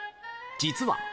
実は。